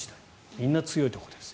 みんな強いところです。